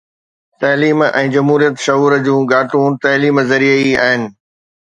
تعليم ۽ جمهوريت شعور جون ڳاٽون تعليم ذريعي ئي آهن